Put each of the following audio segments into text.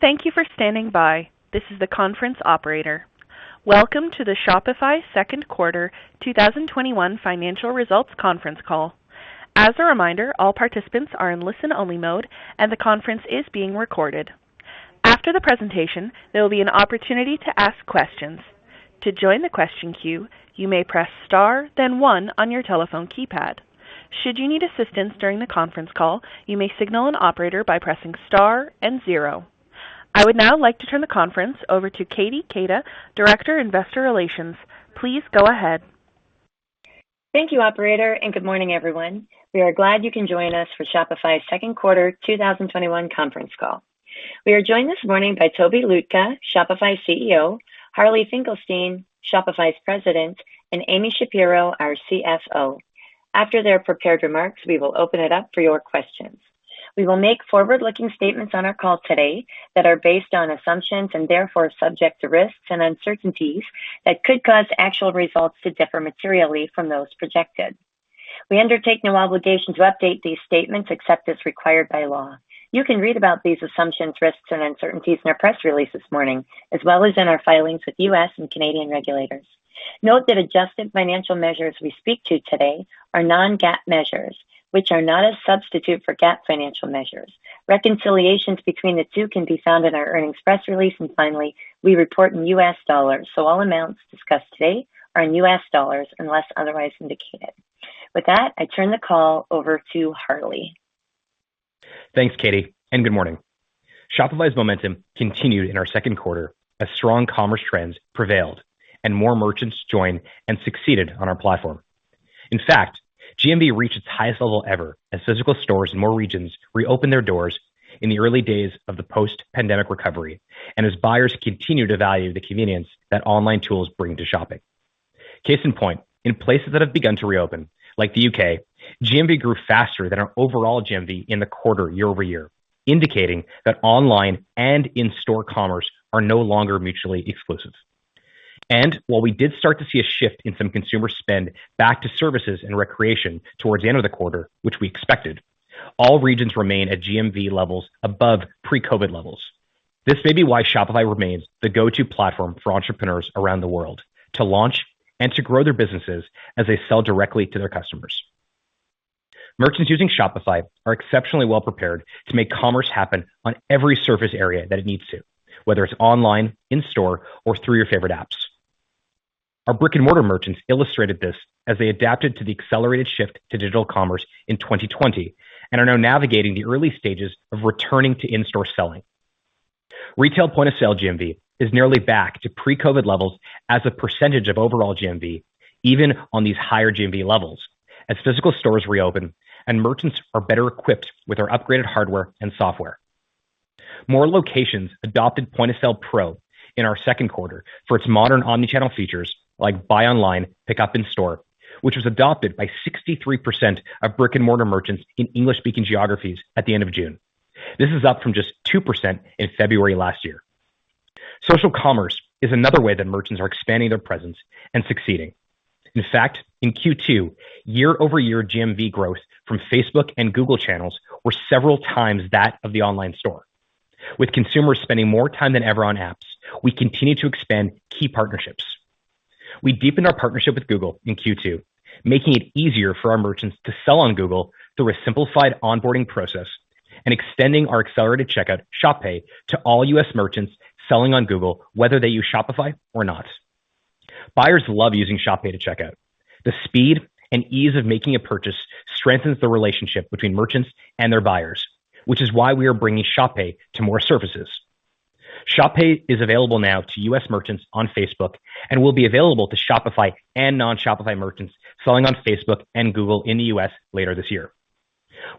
Thank you for standing by. This is the conference operator. Welcome to the Shopify Q2 2021 financial results conference call. As a reminder, all participants are in listen-only mode, and the conference is being recorded. After the presentation, there will be an opportunity to ask questions. I would now like to turn the conference over to Katie Keita, Director, Investor Relations. Please go ahead. Thank you, operator. Good morning, everyone. We are glad you can join us for Shopify's Q2 2021 conference call. We are joined this morning by Tobi Lütke, Shopify CEO, Harley Finkelstein, Shopify's President, and Amy Shapero, our CFO. After their prepared remarks, we will open it up for your questions. We will make forward-looking statements on our call today that are based on assumptions and therefore subject to risks and uncertainties that could cause actual results to differ materially from those projected. We undertake no obligation to update these statements except as required by law. You can read about these assumptions, risks, and uncertainties in our press release this morning, as well as in our filings with U.S. and Canadian regulators. Note that adjusted financial measures we speak to today are non-GAAP measures, which are not a substitute for GAAP financial measures. Reconciliations between the two can be found in our earnings press release. Finally, we report in US dollars, all amounts discussed today are in US dollars unless otherwise indicated. With that, I turn the call over to Harley. Thanks, Katie, and good morning. Shopify's momentum continued in our Q2 as strong commerce trends prevailed and more merchants joined and succeeded on our platform. In fact, GMV reached its highest level ever as physical stores in more regions reopened their doors in the early days of the post-pandemic recovery and as buyers continue to value the convenience that online tools bring to shopping. Case in point, in places that have begun to reopen, like the U.K., GMV grew faster than our overall GMV in the quarter year-over-year, indicating that online and in-store commerce are no longer mutually exclusive. While we did start to see a shift in some consumer spend back to services and recreation towards the end of the quarter, which we expected, all regions remain at GMV levels above pre-COVID levels. This may be why Shopify remains the go-to platform for entrepreneurs around the world to launch and to grow their businesses as they sell directly to their customers. Merchants using Shopify are exceptionally well-prepared to make commerce happen on every surface area that it needs to, whether it's online, in-store, or through your favorite apps. Our brick-and-mortar merchants illustrated this as they adapted to the accelerated shift to digital commerce in 2020 and are now navigating the early stages of returning to in-store selling. Retail point-of-sale GMV is nearly back to pre-COVID levels as a percentage of overall GMV, even on these higher GMV levels, as physical stores reopen and merchants are better equipped with our upgraded hardware and software. More locations adopted Point of Sale Pro in our Q2 for its modern omnichannel features like buy online, pickup in store, which was adopted by 63% of brick-and-mortar merchants in English-speaking geographies at the end of June. This is up from just 2% in February last year. Social commerce is another way that merchants are expanding their presence and succeeding. In fact, in Q2, year-over-year GMV growth from Facebook and Google channels were several times that of the online store. With consumers spending more time than ever on apps, we continue to expand key partnerships. We deepened our partnership with Google in Q2, making it easier for our merchants to sell on Google through a simplified onboarding process and extending our accelerated checkout, Shop Pay, to all U.S. merchants selling on Google, whether they use Shopify or not. Buyers love using Shop Pay to check out. The speed and ease of making a purchase strengthens the relationship between merchants and their buyers, which is why we are bringing Shop Pay to more services. Shop Pay is available now to U.S. merchants on Facebook and will be available to Shopify and non-Shopify merchants selling on Facebook and Google in the U.S. later this year.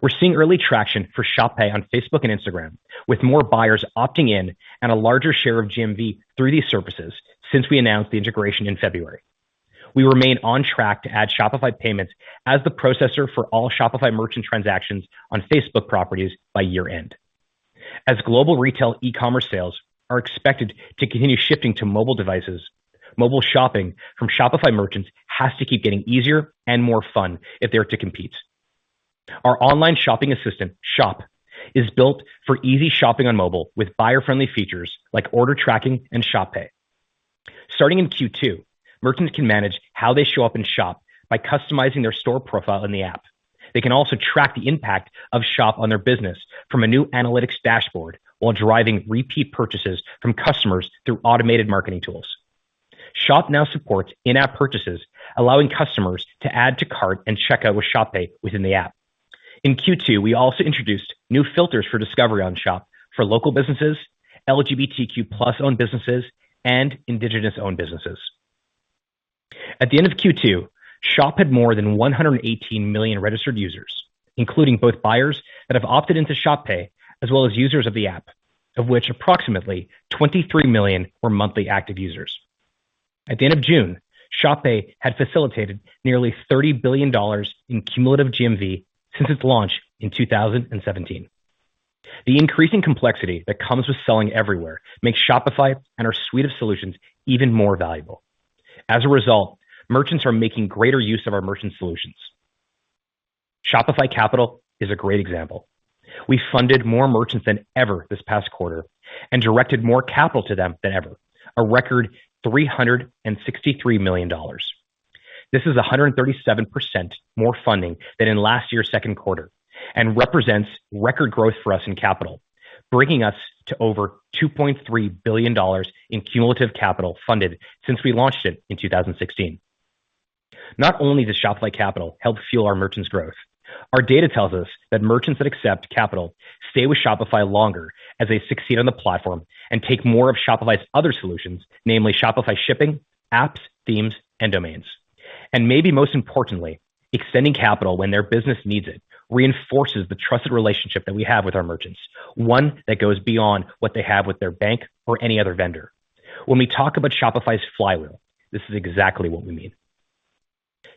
We're seeing early traction for Shop Pay on Facebook and Instagram, with more buyers opting in and a larger share of GMV through these services since we announced the integration in February. We remain on track to add Shopify Payments as the processor for all Shopify merchant transactions on Facebook properties by year-end. As global retail e-commerce sales are expected to continue shifting to mobile devices, mobile shopping from Shopify merchants has to keep getting easier and more fun if they are to compete. Our online shopping assistant, Shop, is built for easy shopping on mobile with buyer-friendly features like order tracking and Shop Pay. Starting in Q2, merchants can manage how they show up in Shop by customizing their store profile in the app. They can also track the impact of Shop on their business from a new analytics dashboard while driving repeat purchases from customers through automated marketing tools. Shop now supports in-app purchases, allowing customers to add to cart and check out with Shop Pay within the app. In Q2, we also introduced new filters for discovery on Shop for local businesses, LGBTQ+ owned businesses, and indigenous-owned businesses. At the end of Q2, Shop had more than 118 million registered users, including both buyers that have opted into Shop Pay, as well as users of the app, of which approximately 23 million were monthly active users. At the end of June, Shop Pay had facilitated nearly $30 billion in cumulative GMV since its launch in 2017. The increasing complexity that comes with selling everywhere makes Shopify and our suite of solutions even more valuable. As a result, merchants are making greater use of our merchant solutions. Shopify Capital is a great example. We funded more merchants than ever this past quarter and directed more capital to them than ever, a record $363 million. This is 137% more funding than in last year's Q2 and represents record growth for us in capital, bringing us to over $2.3 billion in cumulative capital funded since we launched it in 2016. Not only does Shopify Capital help fuel our merchants' growth, our data tells us that merchants that accept Capital stay with Shopify longer as they succeed on the platform and take more of Shopify's other solutions, namely Shopify Shipping, apps, themes, and domains. Maybe most importantly, extending capital when their business needs it reinforces the trusted relationship that we have with our merchants, one that goes beyond what they have with their bank or any other vendor. When we talk about Shopify's flywheel, this is exactly what we mean.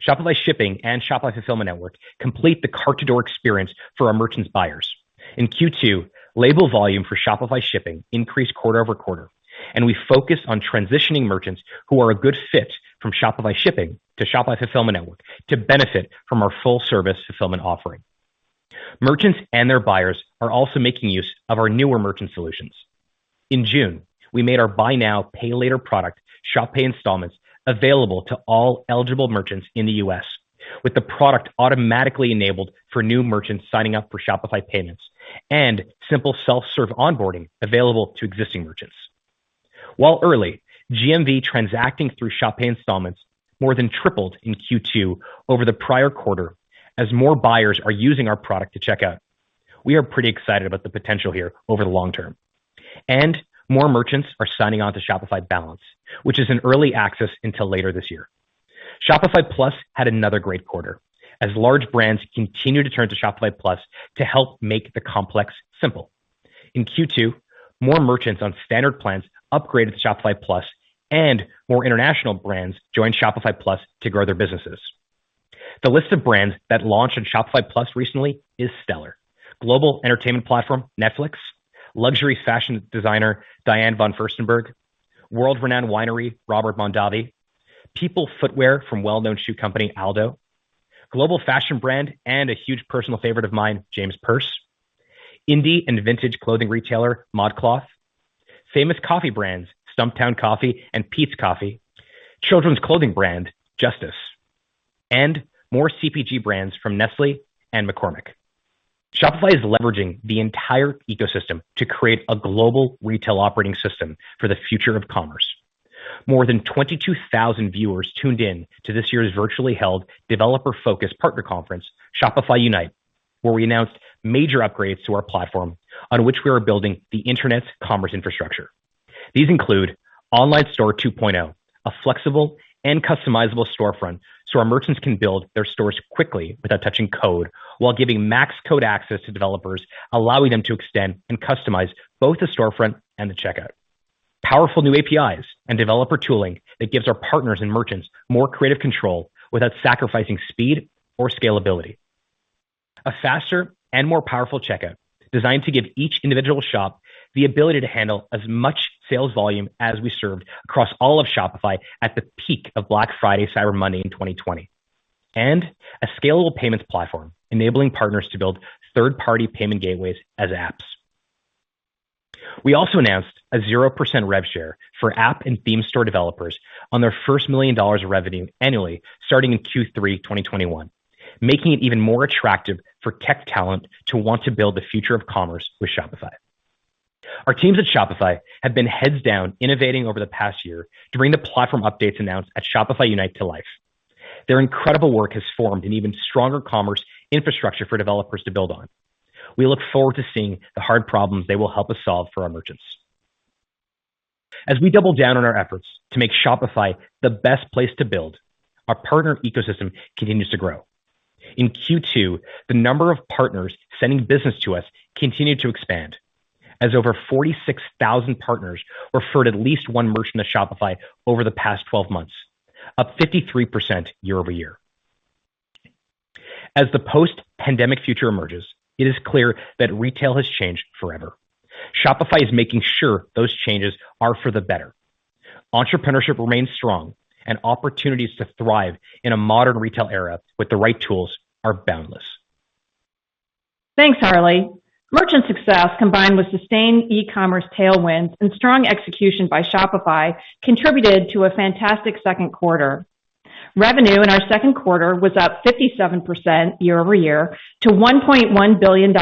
Shopify Shipping and Shopify Fulfillment Network complete the cart-to-door experience for our merchants' buyers. In Q2, label volume for Shopify Shipping increased quarter-over-quarter, and we focused on transitioning merchants who are a good fit from Shopify Shipping to Shopify Fulfillment Network to benefit from our full-service fulfillment offering. Merchants and their buyers are also making use of our newer merchant solutions. In June, we made our buy now, pay later product, Shop Pay Installments, available to all eligible merchants in the U.S., with the product automatically enabled for new merchants signing up for Shopify Payments and simple self-serve onboarding available to existing merchants. While early, GMV transacting through Shop Pay Installments more than tripled in Q2 over the prior quarter as more buyers are using our product to check out. We are pretty excited about the potential here over the long term. More merchants are signing on to Shopify Balance, which is in early access until later this year. Shopify Plus had another great quarter, as large brands continue to turn to Shopify Plus to help make the complex simple. In Q2, more merchants on standard plans upgraded to Shopify Plus and more international brands joined Shopify Plus to grow their businesses. The list of brands that launched on Shopify Plus recently is stellar. Global entertainment platform Netflix, luxury fashion designer Diane von Furstenberg, world-renowned winery Robert Mondavi, People Footwear from well-known shoe company Aldo, global fashion brand and a huge personal favorite of mine, James Perse, indie and vintage clothing retailer ModCloth, famous coffee brands Stumptown Coffee and Peet's Coffee, children's clothing brand Justice, and more CPG brands from Nestlé and McCormick. Shopify is leveraging the entire ecosystem to create a global retail operating system for the future of commerce. More than 22,000 viewers tuned in to this year's virtually held developer-focused partner conference, Shopify Unite, where we announced major upgrades to our platform on which we are building the internet's commerce infrastructure. These include Online Store 2.0, a flexible and customizable storefront so our merchants can build their stores quickly without touching code while giving max code access to developers, allowing them to extend and customize both the storefront and the checkout. Powerful new APIs and developer tooling that gives our partners and merchants more creative control without sacrificing speed or scalability. A faster and more powerful checkout designed to give each individual shop the ability to handle as much sales volume as we served across all of Shopify at the peak of Black Friday, Cyber Monday in 2020. A scalable payments platform enabling partners to build third-party payment gateways as apps. We also announced a 0% rev share for app and theme store developers on their first $1 million of revenue annually starting in Q3 2021, making it even more attractive for tech talent to want to build the future of commerce with Shopify. Our teams at Shopify have been heads down innovating over the past year to bring the platform updates announced at Shopify Unite to life. Their incredible work has formed an even stronger commerce infrastructure for developers to build on. We look forward to seeing the hard problems they will help us solve for our merchants. As we double down on our efforts to make Shopify the best place to build, our partner ecosystem continues to grow. In Q2, the number of partners sending business to us continued to expand, as over 46,000 partners referred at least one merchant to Shopify over the past 12 months, up 53% year-over-year. As the post-pandemic future emerges, it is clear that retail has changed forever. Shopify is making sure those changes are for the better. Entrepreneurship remains strong, and opportunities to thrive in a modern retail era with the right tools are boundless. Thanks, Harley. Merchant success, combined with sustained e-commerce tailwinds and strong execution by Shopify, contributed to a fantastic Q2. Revenue in our Q2 was up 57% year-over-year to $1.1 billion,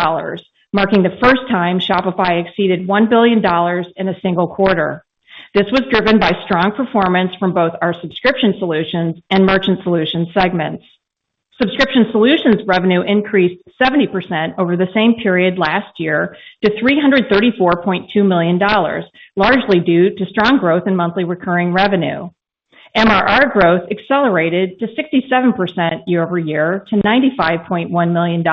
marking the first time Shopify exceeded $1 billion in a single quarter. This was driven by strong performance from both our Subscription Solutions and Merchant Solutions segments. Subscription Solutions revenue increased 70% over the same period last year to $334.2 million, largely due to strong growth in monthly recurring revenue. MRR growth accelerated to 67% year-over-year to $95.1 million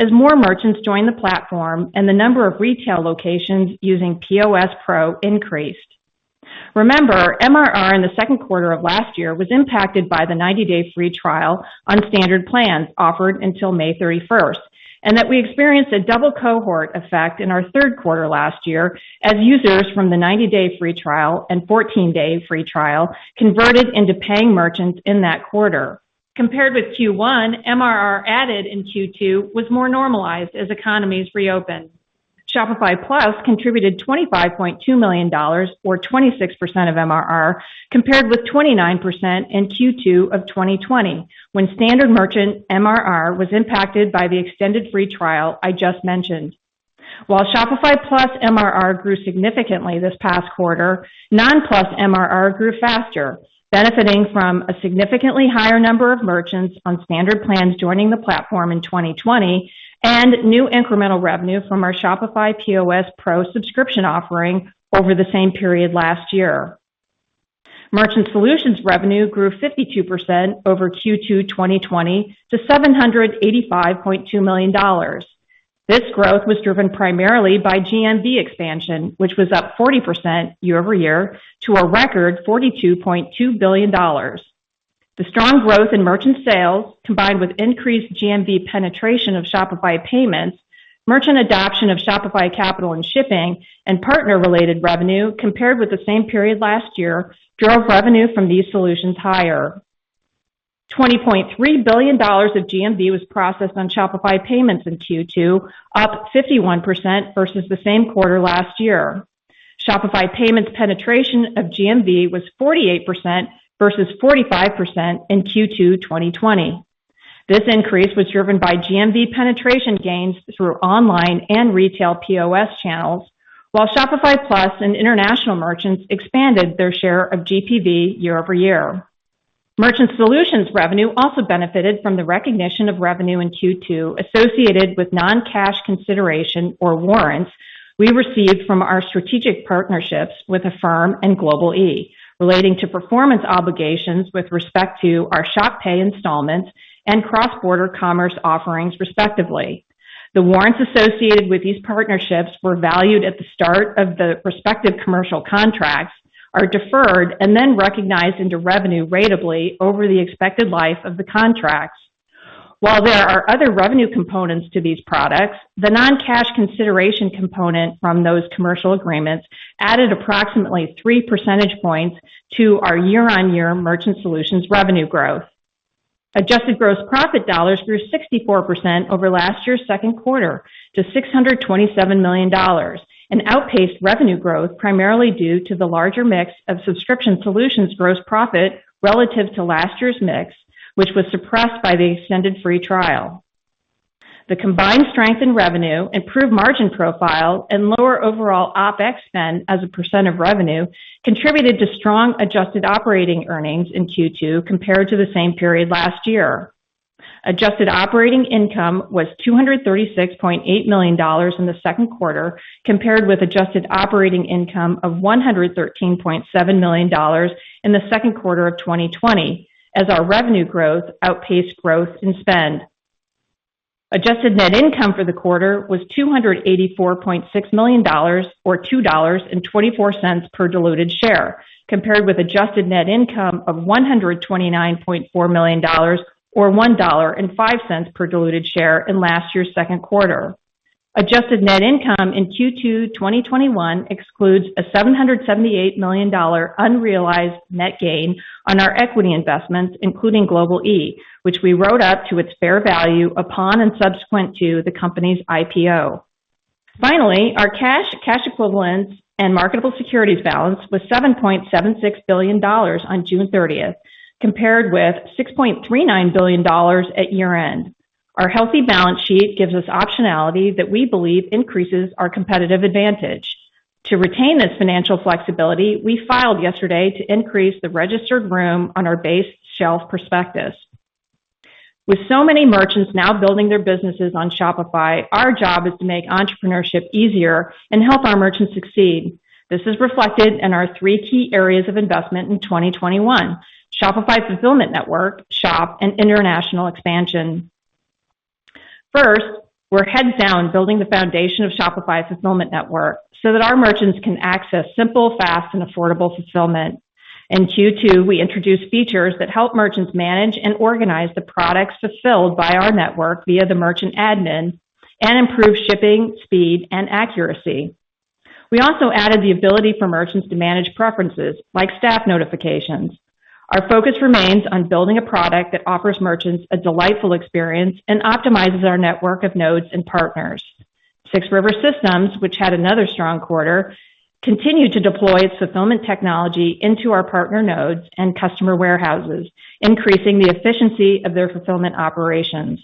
as more merchants joined the platform and the number of retail locations using POS Pro increased. Remember, MRR in the Q2 of last year was impacted by the 90-day free trial on standard plans offered until May 31st. We experienced a double cohort effect in our Q3 last year as users from the 90-day free trial and 14-day free trial converted into paying merchants in that quarter. Compared with Q1, MRR added in Q2 was more normalized as economies reopened. Shopify Plus contributed $25.2 million, or 26% of MRR, compared with 29% in Q2 of 2020, when standard merchant MRR was impacted by the extended free trial I just mentioned. While Shopify Plus MRR grew significantly this past quarter, non-Plus MRR grew faster, benefiting from a significantly higher number of merchants on standard plans joining the platform in 2020 and new incremental revenue from our Shopify POS Pro subscription offering over the same period last year. Merchant Solutions revenue grew 52% over Q2 2020 to $785.2 million. This growth was driven primarily by GMV expansion, which was up 40% year-over-year to a record $42.2 billion. The strong growth in merchant sales, combined with increased GMV penetration of Shopify Payments, merchant adoption of Shopify Capital and Shipping, and partner-related revenue compared with the same period last year, drove revenue from these solutions higher. $20.3 billion of GMV was processed on Shopify Payments in Q2, up 51% versus the same quarter last year. Shopify Payments penetration of GMV was 48% versus 45% in Q2 2020. This increase was driven by GMV penetration gains through online and retail POS channels, while Shopify Plus and international merchants expanded their share of GPV year-over-year. Merchant Solutions revenue also benefited from the recognition of revenue in Q2 associated with non-cash consideration or warrants we received from our strategic partnerships with Affirm and Global-e relating to performance obligations with respect to our Shop Pay Installments and cross-border commerce offerings, respectively. The warrants associated with these partnerships were valued at the start of the respective commercial contracts, are deferred, and then recognized into revenue ratably over the expected life of the contracts. While there are other revenue components to these products, the non-cash consideration component from those commercial agreements added approximately 3 percentage points to our year-on-year Merchant Solutions revenue growth. Adjusted gross profit dollars grew 64% over last year's Q2 to $627 million and outpaced revenue growth primarily due to the larger mix of subscription solutions gross profit relative to last year's mix, which was suppressed by the extended free trial. The combined strength in revenue, improved margin profile, and lower overall OpEx spend as a percentage of revenue contributed to strong adjusted operating earnings in Q2 compared to the same period last year. Adjusted operating income was $236.8 million in the Q2, compared with adjusted operating income of $113.7 million in the Q2 of 2020 as our revenue growth outpaced growth in spend. Adjusted net income for the quarter was $284.6 million, or $2.24 per diluted share, compared with adjusted net income of $129.4 million, or $1.05 per diluted share in last year's Q2. Adjusted net income in Q2 2021 excludes a $778 million unrealized net gain on our equity investments, including Global-e, which we wrote up to its fair value upon and subsequent to the company's IPO. Finally, our cash equivalents and marketable securities balance was $7.76 billion on June 30th, compared with $6.39 billion at year-end. Our healthy balance sheet gives us optionality that we believe increases our competitive advantage. To retain this financial flexibility, we filed yesterday to increase the registered room on our base shelf prospectus. With so many merchants now building their businesses on Shopify, our job is to make entrepreneurship easier and help our merchants succeed. This is reflected in our three key areas of investment in 2021: Shopify Fulfillment Network, Shop, and international expansion. First, we're heads down building the foundation of Shopify Fulfillment Network so that our merchants can access simple, fast, and affordable fulfillment. In Q2, we introduced features that help merchants manage and organize the products fulfilled by our network via the merchant admin and improve shipping speed and accuracy. We also added the ability for merchants to manage preferences like staff notifications. Our focus remains on building a product that offers merchants a delightful experience and optimizes our network of nodes and partners. 6 River Systems, which had another strong quarter, continued to deploy its fulfillment technology into our partner nodes and customer warehouses, increasing the efficiency of their fulfillment operations.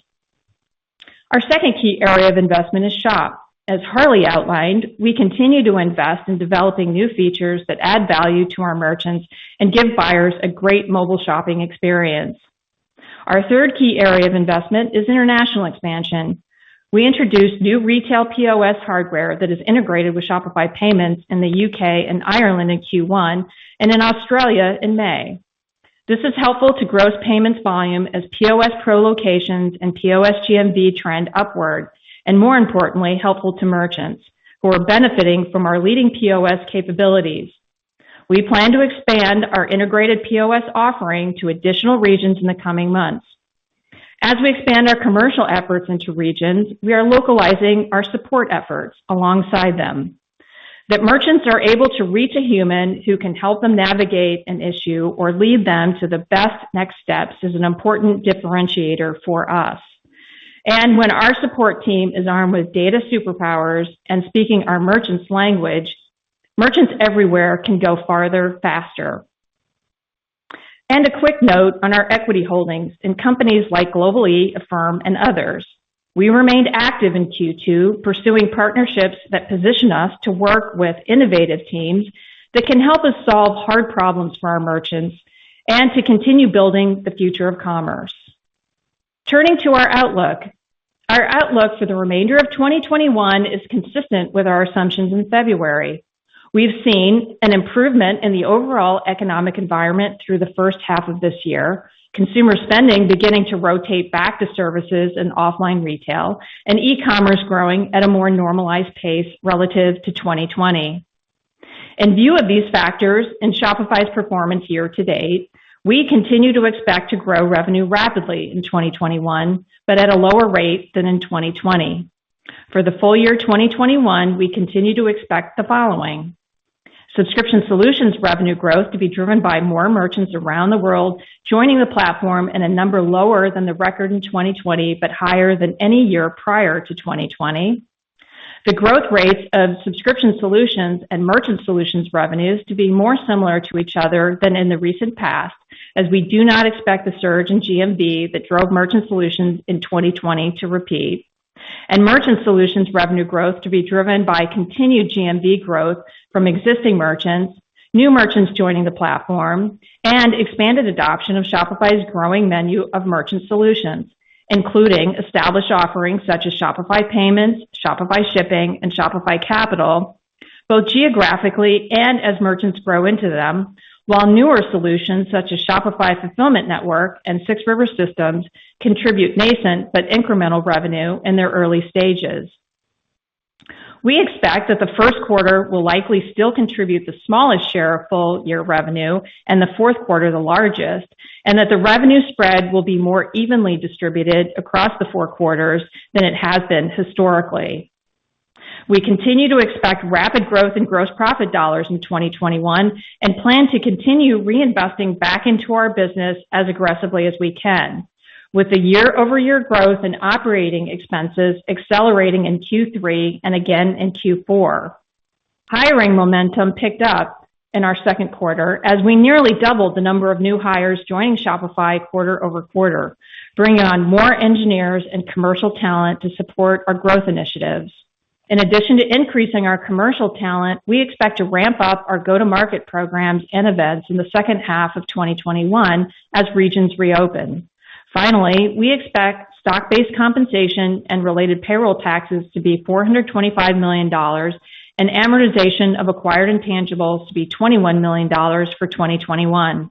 Our second key area of investment is Shop. As Harley outlined, we continue to invest in developing new features that add value to our merchants and give buyers a great mobile shopping experience. Our third key area of investment is international expansion. We introduced new retail POS hardware that is integrated with Shopify Payments in the U.K. and Ireland in Q1 and in Australia in May. This is helpful to gross payments volume as POS Pro locations and POS GMV trend upward. More importantly, helpful to merchants who are benefiting from our leading POS capabilities. We plan to expand our integrated POS offering to additional regions in the coming months. As we expand our commercial efforts into regions, we are localizing our support efforts alongside them. That merchants are able to reach a human who can help them navigate an issue or lead them to the best next steps is an important differentiator for us. When our support team is armed with data superpowers and speaking our merchants' language, merchants everywhere can go farther, faster. A quick note on our equity holdings in companies like Global-e, Affirm, and others. We remained active in Q2, pursuing partnerships that position us to work with innovative teams that can help us solve hard problems for our merchants and to continue building the future of commerce. Turning to our outlook. Our outlook for the remainder of 2021 is consistent with our assumptions in February. We've seen an improvement in the overall economic environment through the H1 of this year, consumer spending beginning to rotate back to services and offline retail, and e-commerce growing at a more normalized pace relative to 2020. In view of these factors and Shopify's performance year to date, we continue to expect to grow revenue rapidly in 2021, but at a lower rate than in 2020. For the full year 2021, we continue to expect the following. Subscription Solutions revenue growth to be driven by more merchants around the world joining the platform in a number lower than the record in 2020, but higher than any year prior to 2020. The growth rates of Subscription Solutions and Merchant Solutions revenues to be more similar to each other than in the recent past, as we do not expect the surge in GMV that drove Merchant Solutions in 2020 to repeat. Merchant Solutions revenue growth to be driven by continued GMV growth from existing merchants, new merchants joining the platform, and expanded adoption of Shopify's growing menu of Merchant Solutions, including established offerings such as Shopify Payments, Shopify Shipping, and Shopify Capital, both geographically and as merchants grow into them, while newer solutions such as Shopify Fulfillment Network and 6 River Systems contribute nascent but incremental revenue in their early stages. We expect that the Q1 will likely still contribute the smallest share of full year revenue and the Q4 the largest, and that the revenue spread will be more evenly distributed across the four quarters than it has been historically. We continue to expect rapid growth in gross profit dollars in 2021 and plan to continue reinvesting back into our business as aggressively as we can, with the year-over-year growth in operating expenses accelerating in Q3 and again in Q4. Hiring momentum picked up in our Q2 as we nearly doubled the number of new hires joining Shopify quarter-over-quarter, bringing on more engineers and commercial talent to support our growth initiatives. In addition to increasing our commercial talent, we expect to ramp up our go-to-market programs and events in the H2 of 2021 as regions reopen. Finally, we expect stock-based compensation and related payroll taxes to be $425 million and amortization of acquired intangibles to be $21 million for 2021.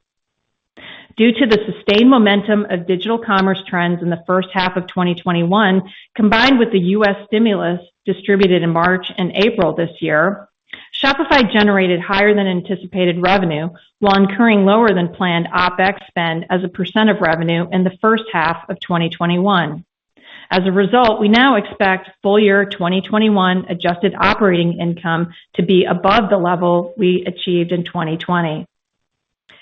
Due to the sustained momentum of digital commerce trends in the H1 of 2021, combined with the U.S. stimulus distributed in March and April this year, Shopify generated higher than anticipated revenue while incurring lower than planned OpEx spend as a percentage of revenue in the first half of 2021. As a result, we now expect full year 2021 adjusted operating income to be above the level we achieved in 2020.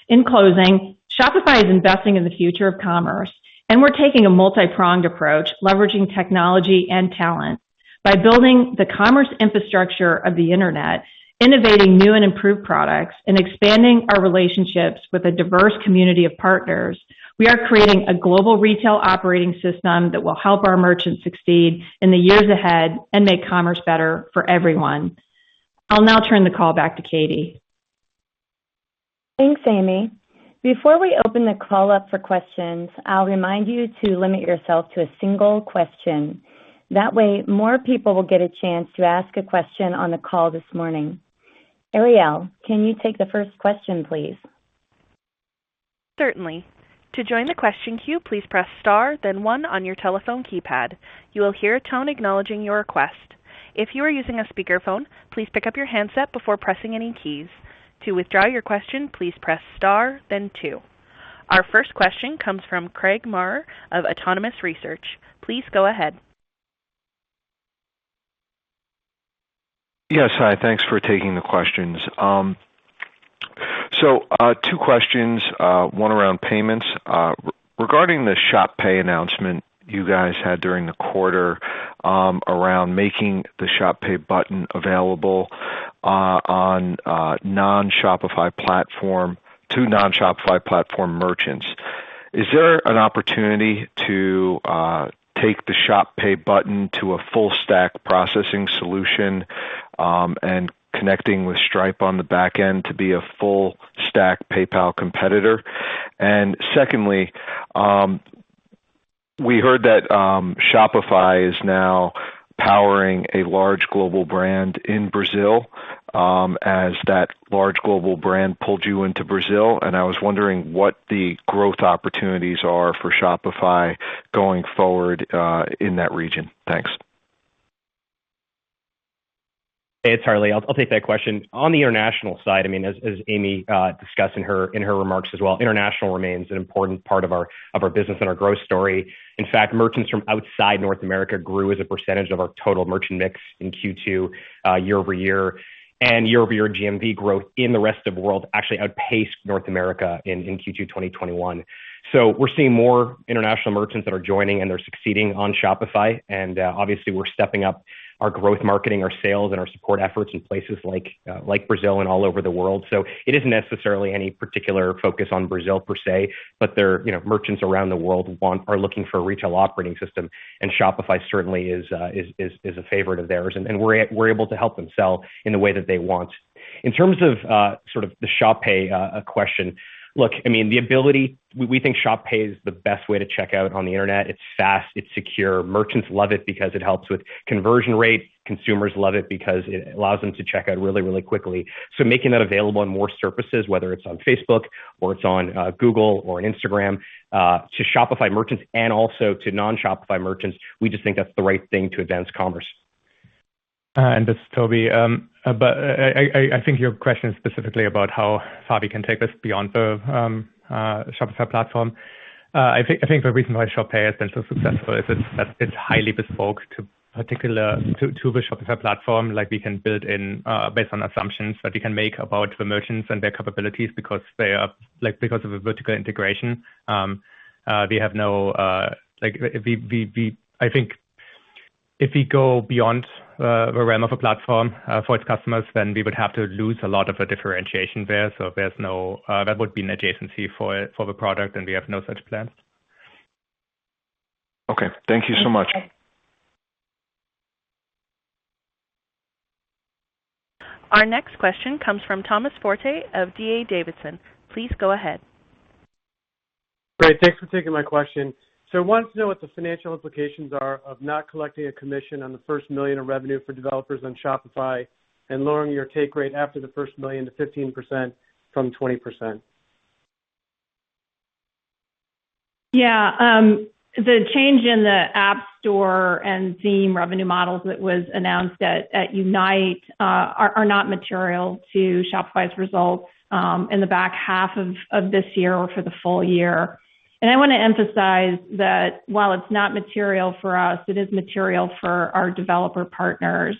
In closing, Shopify is investing in the future of commerce, and we're taking a multi-pronged approach, leveraging technology and talent. By building the commerce infrastructure of the internet, innovating new and improved products, and expanding our relationships with a diverse community of partners, we are creating a global retail operating system that will help our merchants succeed in the years ahead and make commerce better for everyone. I'll now turn the call back to Katie. Thanks, Amy. Before we open the call up for questions, I'll remind you to limit yourself to a single question. That way, more people will get a chance to ask a question on the call this morning. Ariel, can you take the first question, please? Certainly. To join the question queue, please press star then one on your telephone keypad. You will hear a tone acknowledging your request. If you are using a speakerphone, please pick up your handset before pressing any keys. To withdraw your question, please press star then two. Our first question comes from Craig Maurer of Autonomous Research. Please go ahead. Yes. Hi, thanks for taking the questions. Two questions, one around payments. Regarding the Shop Pay announcement you guys had during the quarter, around making the Shop Pay button available to non-Shopify platform merchants. Is there an opportunity to take the Shop Pay button to a full stack processing solution, and connecting with Stripe on the back end to be a full stack PayPal competitor? Secondly, we heard that Shopify is now powering a large global brand in Brazil, as that large global brand pulled you into Brazil, and I was wondering what the growth opportunities are for Shopify going forward, in that region. Thanks. Hey, it's Harley. I'll take that question. On the international side, as Amy Shapero discussed in her remarks as well, international remains an important part of our business and our growth story. In fact, merchants from outside North America grew as a percentage of our total merchant mix in Q2 year-over-year, and year-over-year GMV growth in the rest of the world actually outpaced North America in Q2 2021. We're seeing more international merchants that are joining and they're succeeding on Shopify. Obviously, we're stepping up our growth marketing, our sales, and our support efforts in places like Brazil and all over the world. It isn't necessarily any particular focus on Brazil, per se, but merchants around the world are looking for a retail operating system, and Shopify certainly is a favorite of theirs. We're able to help them sell in the way that they want. In terms of the Shop Pay question, look, we think Shop Pay is the best way to check out on the internet. It's fast, it's secure. Merchants love it because it helps with conversion rate. Consumers love it because it allows them to check out really, really quickly. Making that available on more surfaces, whether it's on Facebook or it's on Google or on Instagram, to Shopify merchants and also to non-Shopify merchants, we just think that's the right thing to advance commerce. This is Tobi. I think your question is specifically about how Shop Pay can take us beyond the Shopify platform. The reason why Shop Pay has been so successful is that it's highly bespoke to the Shopify platform. We can build in based on assumptions that we can make about the merchants and their capabilities because of the vertical integration. If we go beyond the realm of a platform for its customers, then we would have to lose a lot of the differentiation there. That would be an adjacency for the product, and we have no such plans. Okay. Thank you so much. Our next question comes from Tom Forte of D.A. Davidson. Please go ahead. Great. Thanks for taking my question. I wanted to know what the financial implications are of not collecting a commission on the first $1 million of revenue for developers on Shopify and lowering your take rate after the first $1 million to 15% from 20%. Yeah. The change in the App Store and theme revenue models that was announced at Unite are not material to Shopify's results in the back half of this year or for the full year. I want to emphasize that while it's not material for us, it is material for our developer partners.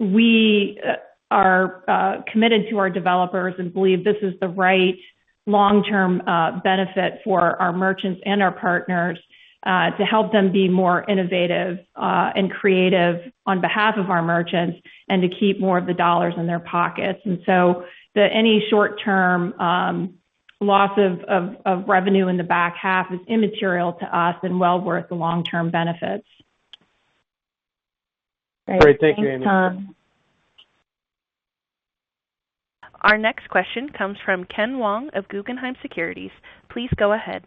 We are committed to our developers and believe this is the right long-term benefit for our merchants and our partners, to help them be more innovative and creative on behalf of our merchants, and to keep more of the dollars in their pockets. Any short-term loss of revenue in the back half is immaterial to us and well worth the long-term benefits. Great. Thank you, Amy. Our next question comes from Kenneth Wong of Guggenheim Securities. Please go ahead.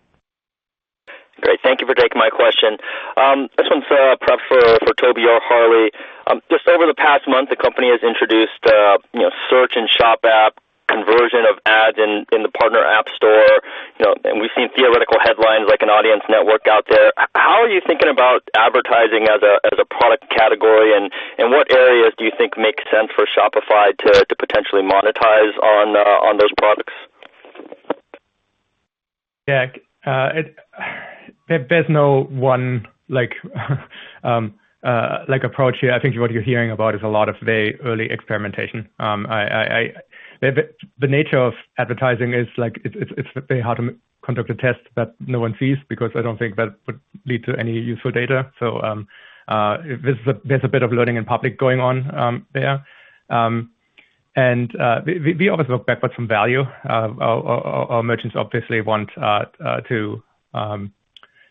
Great. Thank you for taking my question. This one's perhaps for Tobi or Harley. Just over the past month, the company has introduced Search and Shop app, conversion of ads in the Shopify App Store. We've seen theoretical headlines like an audience network out there. How are you thinking about advertising as a product category, and what areas do you think make sense for Shopify to potentially monetize on those products? Yeah. There's no one approach here. I think what you're hearing about is a lot of very early experimentation. The nature of advertising is it's very hard to conduct a test that no one sees, because I don't think that would lead to any useful data. There's a bit of learning in public going on there. We always look back, what's some value? Our merchants obviously want to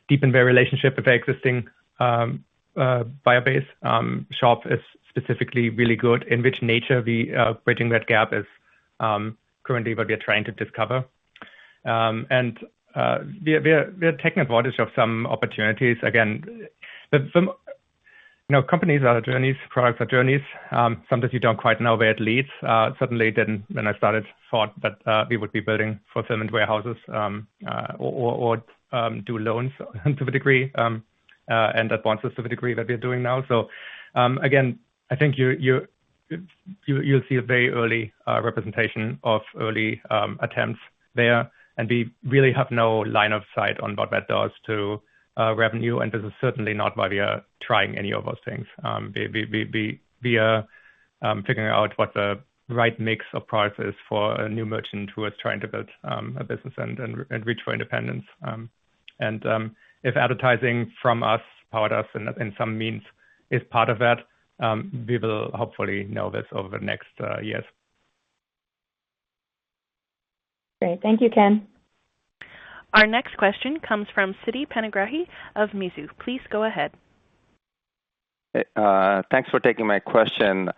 deepen their relationship with their existing buyer base. Shop is specifically really good, in which nature bridging that gap is currently what we are trying to discover. We are taking advantage of some opportunities. Again, companies are journeys, products are journeys. Sometimes you don't quite know where it leads. Certainly didn't when I started, thought that we would be building fulfillment warehouses, or do loans to a degree, and advances to the degree that we are doing now. Again, I think you'll see a very early representation of early attempts there, and we really have no line of sight on what that does to revenue. This is certainly not why we are trying any of those things. We are figuring out what the right mix of products is for a new merchant who is trying to build a business and reach for independence. If advertising from us, powered us in some means, is part of that, we will hopefully know this over the next years. Great. Thank you, Ken. Our next question comes from Siti Panigrahi of Mizuho. Please go ahead. Thanks for taking my question.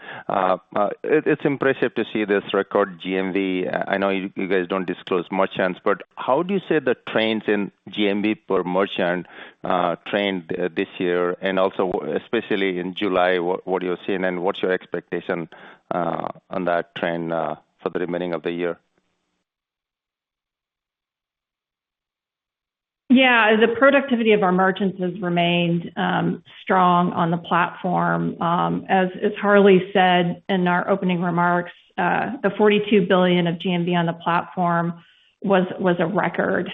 It's impressive to see this record GMV. I know you guys don't disclose merchants, but how do you say the trends in GMV per merchant trend this year, and also especially in July, what are you seeing and what's your expectation on that trend for the remaining of the year? Yeah. The productivity of our merchants has remained strong on the platform. As Harley said in our opening remarks, the $42 billion of GMV on the platform was a record.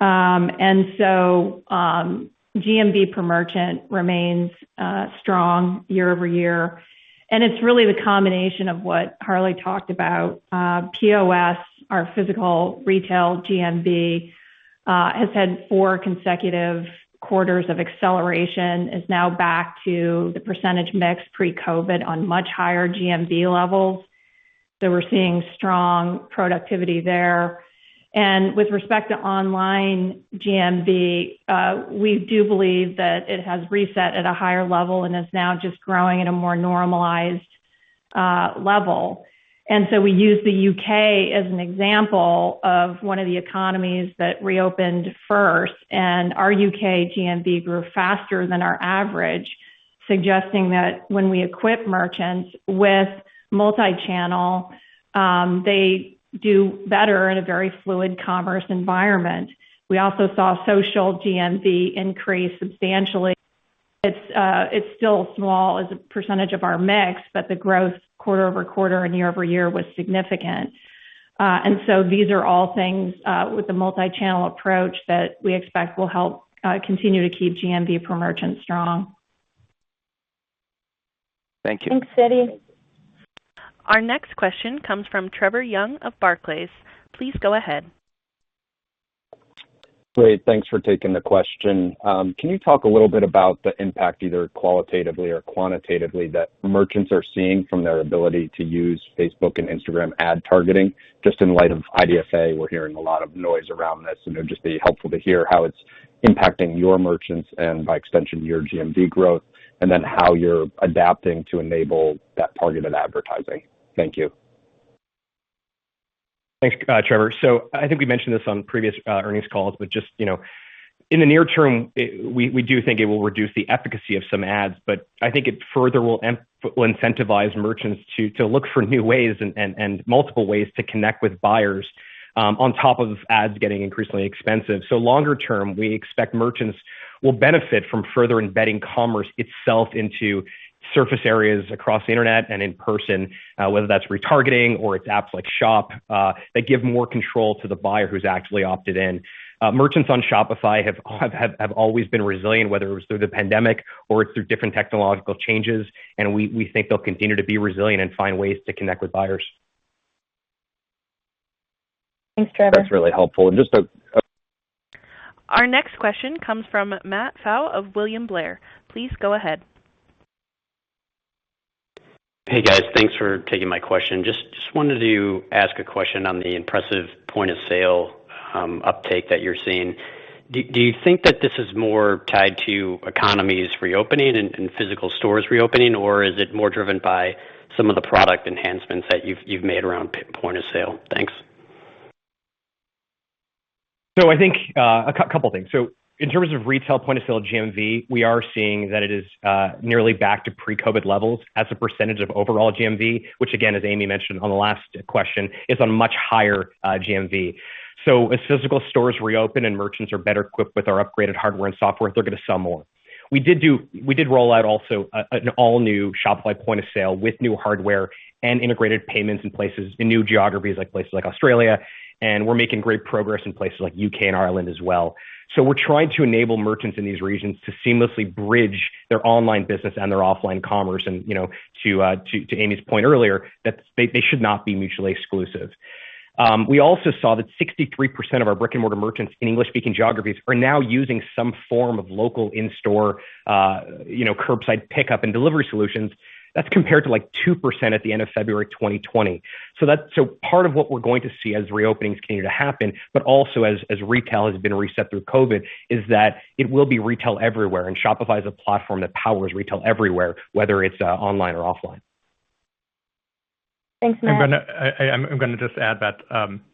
GMV per merchant remains strong year-over-year, and it's really the combination of what Harley talked about. POS, our physical retail GMV, has had four consecutive quarters of acceleration, is now back to the percentage mix pre-COVID on much higher GMV levels. We're seeing strong productivity there. With respect to online GMV, we do believe that it has reset at a higher level and is now just growing at a more normalized level. We use the U.K. as an example of one of the economies that reopened first, and our U.K. GMV grew faster than our average, suggesting that when we equip merchants with multi-channel, they do better in a very fluid commerce environment. We also saw social GMV increase substantially. It's still small as a percentage of our mix, but the growth quarter-over-quarter and year-over-year was significant. These are all things, with the multi-channel approach, that we expect will help continue to keep GMV per merchant strong. Thank you. Thanks, Siti. Our next question comes from Trevor Young of Barclays. Please go ahead. Great. Thanks for taking the question. Can you talk a little bit about the impact, either qualitatively or quantitatively, that merchants are seeing from their ability to use Facebook and Instagram ad targeting? Just in light of IDFA, we're hearing a lot of noise around this, and it'd just be helpful to hear how it's impacting your merchants and by extension, your GMV growth, and then how you're adapting to enable that targeted advertising. Thank you. Thanks, Trevor. I think we mentioned this on previous earnings calls, just in the near term, we do think it will reduce the efficacy of some ads, I think it further will incentivize merchants to look for new ways and multiple ways to connect with buyers, on top of ads getting increasingly expensive. Longer term, we expect merchants will benefit from further embedding commerce itself into surface areas across the internet and in person, whether that's retargeting or it's apps like Shop, that give more control to the buyer who's actually opted in. Merchants on Shopify have always been resilient, whether it was through the pandemic or it's through different technological changes, we think they'll continue to be resilient and find ways to connect with buyers. Thanks, Trevor. That's really helpful. Our next question comes from Matthew Pfau of William Blair. Please go ahead. Hey, guys. Thanks for taking my question. Just wanted to ask a question on the impressive point-of-sale uptake that you're seeing. Do you think that this is more tied to economies reopening and physical stores reopening, or is it more driven by some of the product enhancements that you've made around point-of-sale? Thanks. I think a couple things. In terms of retail point-of-sale GMV, we are seeing that it is nearly back to pre-COVID levels as a percentage of overall GMV, which again, as Amy mentioned on the last question, is on much higher GMV. As physical stores reopen and merchants are better equipped with our upgraded hardware and software, they're going to sell more. We did roll out also an all-new Shopify Point of Sale with new hardware and integrated payments in new geographies, like places like Australia, and we're making great progress in places like U.K. and Ireland as well. We're trying to enable merchants in these regions to seamlessly bridge their online business and their offline commerce. To Amy's point earlier, that they should not be mutually exclusive. We also saw that 63% of our brick-and-mortar merchants in English-speaking geographies are now using some form of local in-store curbside pickup and delivery solutions. That's compared to 2% at the end of February 2020. Part of what we're going to see as reopenings continue to happen, but also as retail has been reset through COVID, is that it will be retail everywhere, and Shopify is a platform that powers retail everywhere, whether it's online or offline. Thanks, Matt. I'm going to just add that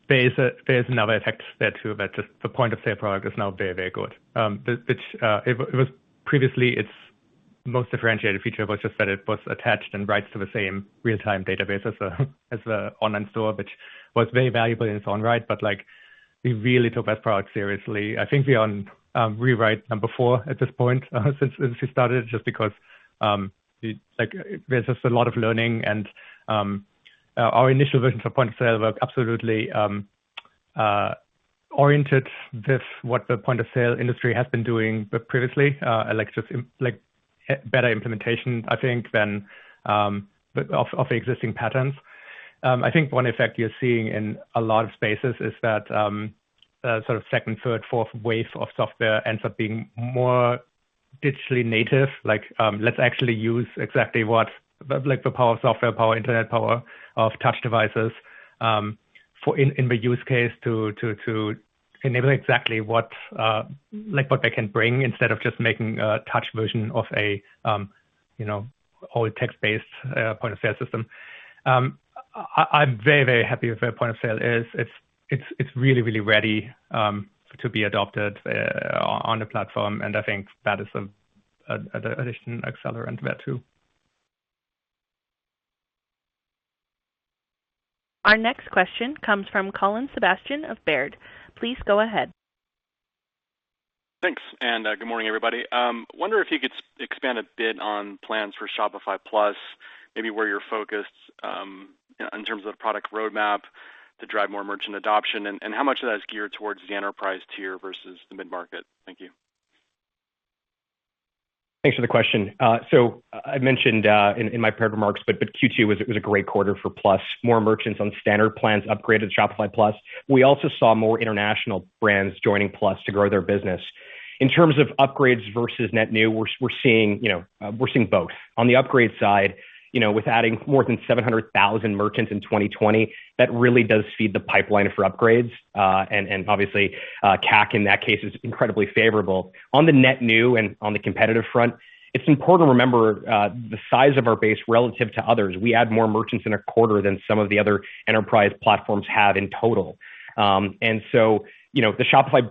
there is another effect there, too, that just the point-of-sale product is now very, very good. Previously, its most differentiated feature was just that it was attached and writes to the same real-time database as the online store, which was very valuable in its own right, but we really took that product seriously. I think we are on rewrite number four at this point since we started, just because there's just a lot of learning and our initial versions of point-of-sale were absolutely oriented with what the point-of-sale industry has been doing previously. Better implementation, I think, than of existing patterns. I think one effect you're seeing in a lot of spaces is that sort of second, third, fourth wave of software ends up being more digitally native. Let's actually use exactly what the power of software, power of internet, power of touch devices, in the use case to enable exactly what they can bring instead of just making a touch version of an old text-based point-of-sale system. I'm very happy with where Point of Sale is. It's really ready to be adopted on the platform, I think that is an additional accelerant there, too. Our next question comes from Colin Sebastian of Baird. Please go ahead. Thanks, good morning, everybody. Wonder if you could expand a bit on plans for Shopify Plus, maybe where you're focused in terms of product roadmap to drive more merchant adoption, and how much of that is geared towards the enterprise tier versus the mid-market? Thank you. Thanks for the question. I mentioned in my prepared remarks, Q2 was a great quarter for Shopify Plus. More merchants on standard plans upgraded to Shopify Plus. We also saw more international brands joining Shopify Plus to grow their business. In terms of upgrades versus net new, we're seeing both. On the upgrade side, with adding more than 700,000 merchants in 2020, that really does feed the pipeline for upgrades. Obviously, CAC in that case is incredibly favorable. On the net new and on the competitive front, it's important to remember the size of our base relative to others. We add more merchants in a quarter than some of the other enterprise platforms have in total. The Shopify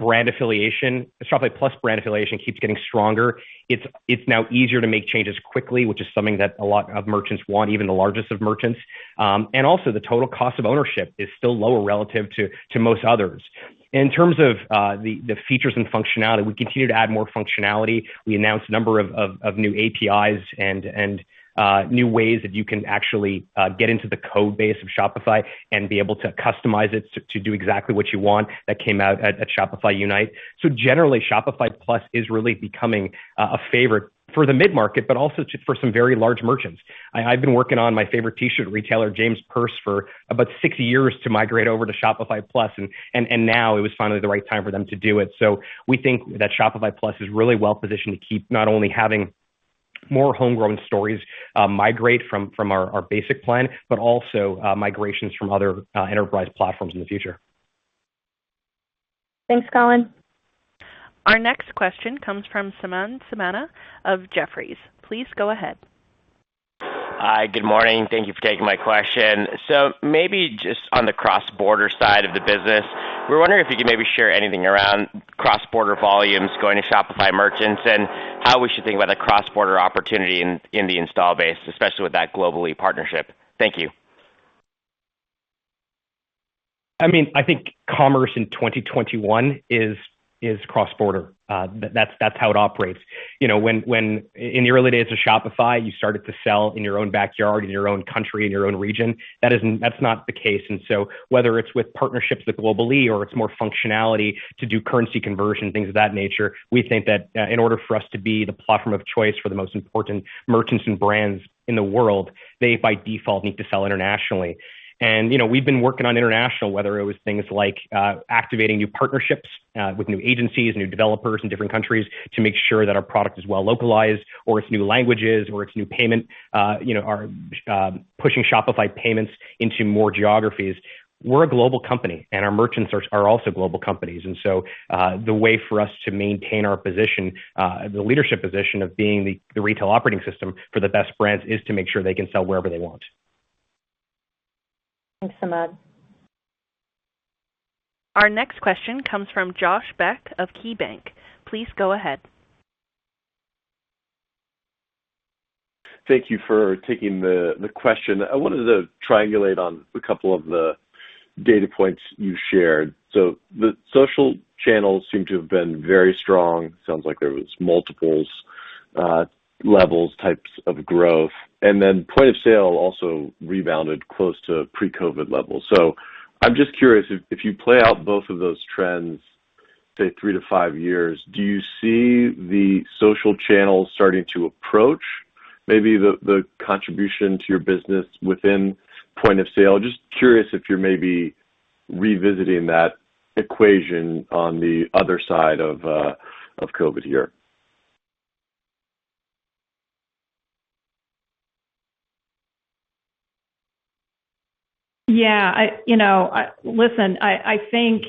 Plus brand affiliation keeps getting stronger. It's now easier to make changes quickly, which is something that a lot of merchants want, even the largest of merchants. Also the total cost of ownership is still lower relative to most others. In terms of the features and functionality, we continue to add more functionality. We announced a number of new APIs and new ways that you can actually get into the code base of Shopify and be able to customize it to do exactly what you want. That came out at Shopify Unite. Generally, Shopify Plus is really becoming a favorite for the mid-market, but also for some very large merchants. I've been working on my favorite T-shirt retailer, James Perse, for about six years to migrate over to Shopify Plus, and now it was finally the right time for them to do it. We think that Shopify Plus is really well-positioned to keep not only having more homegrown stories migrate from our basic plan, but also migrations from other enterprise platforms in the future. Thanks, Colin. Our next question comes from Samad Samana of Jefferies. Please go ahead. Hi, good morning. Thank you for taking my question. Maybe just on the cross-border side of the business, we were wondering if you could maybe share anything around cross-border volumes going to Shopify merchants and how we should think about the cross-border opportunity in the install base, especially with that Global-e partnership. Thank you. I think commerce in 2021 is cross-border. That's how it operates. In the early days of Shopify, you started to sell in your own backyard, in your own one country, in your own one region. That's not the case. Whether it's with partnerships with Global-e or it's more functionality to do currency conversion, things of that nature, we think that in order for us to be the platform of choice for the most important merchants and brands in the world, they by default need to sell internationally. We've been working on international, whether it was things like activating new partnerships with new agencies, new developers in different countries to make sure that our product is well localized or it's new languages or it's new payment, pushing Shopify Payments into more geographies. We're a global company, and our merchants are also global companies. The way for us to maintain our position, the leadership position of being the retail operating system for the best brands, is to make sure they can sell wherever they want. Thanks, Samad. Our next question comes from Josh Beck of KeyBank. Please go ahead. Thank you for taking the question. I wanted to triangulate on a couple of the data points you shared. The social channels seem to have been very strong. Sounds like there was multiples, levels, types of growth. Point-of-sale also rebounded close to pre-COVID levels. I'm just curious, if you play out both of those trends, say, three to five years, do you see the social channels starting to approach maybe the contribution to your business within point-of-sale? Just curious if you're maybe revisiting that equation on the other side of COVID here. Listen, I think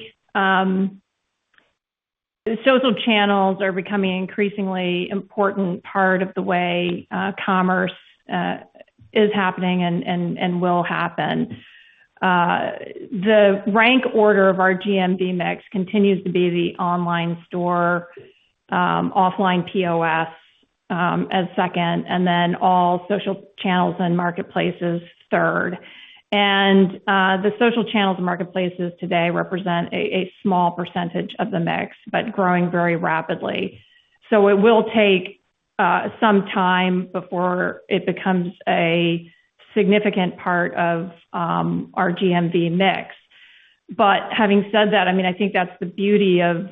social channels are becoming an increasingly important part of the way commerce is happening and will happen. The rank order of our GMV mix continues to be the online store, offline POS as second, and then all social channels and marketplaces third. The social channels and marketplaces today represent a small percentage of the mix, but growing very rapidly. It will take some time before it becomes a significant part of our GMV mix. Having said that, I think that's the beauty of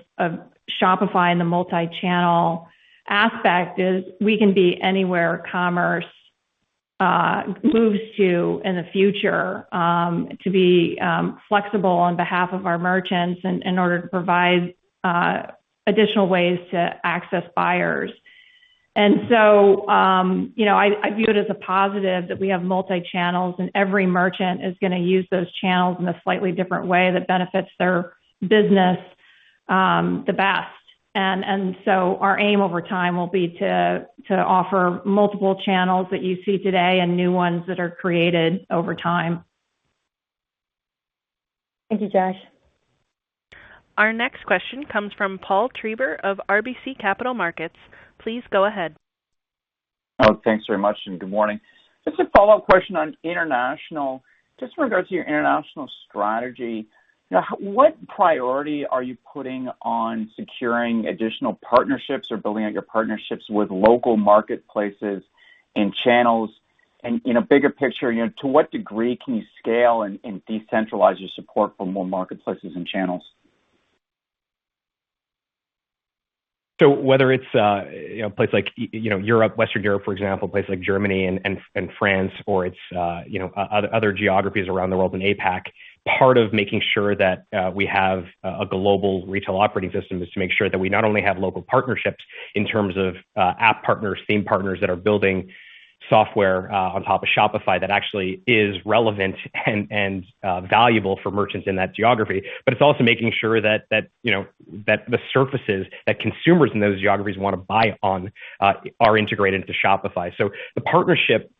Shopify and the multi-channel aspect is we can be anywhere commerce moves to in the future to be flexible on behalf of our merchants and in order to provide additional ways to access buyers. I view it as a positive that we have multi-channels, and every merchant is going to use those channels in a slightly different way that benefits their business the best. Our aim over time will be to offer multiple channels that you see today and new ones that are created over time. Thank you, Josh. Our next question comes from Paul Treiber of RBC Capital Markets. Please go ahead. Oh, thanks very much, and good morning. Just a follow-up question on international. Just in regards to your international strategy, what priority are you putting on securing additional partnerships or building out your partnerships with local marketplaces and channels? In a bigger picture, to what degree can you scale and decentralize your support for more marketplaces and channels? Whether it's a place like Western Europe, for example, places like Germany and France, or it's other geographies around the world in APAC, part of making sure that we have a global retail operating system is to make sure that we not only have local partnerships in terms of app partners, theme partners that are building software on top of Shopify that actually is relevant and valuable for merchants in that geography, but it's also making sure that the surfaces that consumers in those geographies want to buy on are integrated into Shopify. The partnership